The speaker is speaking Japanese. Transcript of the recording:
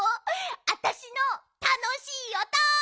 あたしのたのしいおと！